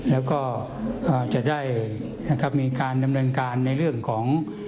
แล้วก็จะได้นะครับมีการดำเนินการในเรื่องของ